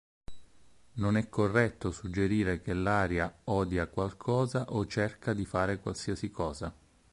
Non è corretto suggerire che l'aria "odia" qualcosa o "cerca" di fare qualsiasi cosa.